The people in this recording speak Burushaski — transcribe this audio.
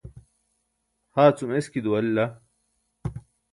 haa cum eski duwalila